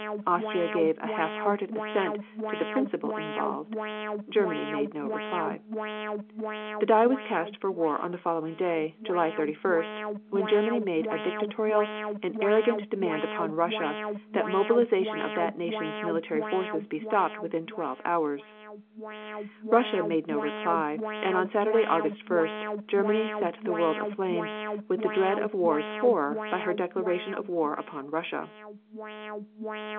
Austria gave a half hearted assent to the principle involved. Germany made no reply. The die was cast for war on the following day, July 31st, when Germany made a dictatorial and arrogant demand upon Russia that mobilization of that nation's military forces be stopped within twelve hours. Russia made no reply, and on Saturday, August 1st, Germany set the world aflame with the dread of war's horror by her declaration of war upon Russia.